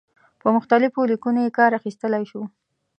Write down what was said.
په مختلفو لیکنو کې کار اخیستلای شو.